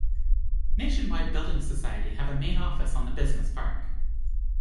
Nationwide Building Society have a main office on the business park.